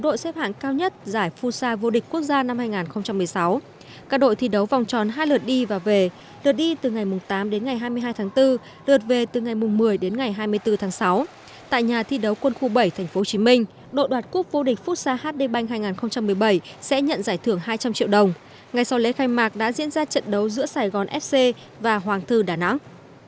đội xếp hạng cao nhất giải phú sa vô địch quốc gia năm hai nghìn một mươi sáu các đội thi đấu vòng tròn hai lượt đi và về lượt đi từ ngày tám đến ngày hai mươi hai tháng bốn lượt về từ ngày một mươi đến ngày hai mươi bốn tháng sáu tại nhà thi đấu quân khu bảy tp hcm đội đoạt cúp vô địch phú sa hd banh hai nghìn một mươi bảy sẽ nhận giải thưởng hai trăm linh triệu đồng ngay sau lễ khai mạc đã diễn ra trận đấu giữa sài gòn fc và hoàng thư đà nẵng